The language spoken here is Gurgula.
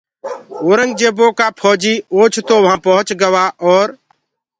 اورنٚگجيبو ڪآ ڦوجيٚ اوچتو وهآن پُهچ گوآ اور